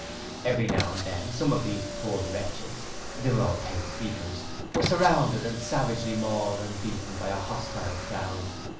Every now and then some of these poor wretches they were all paid speakers were surrounded and savagely mauled and beaten by a hostile crowd.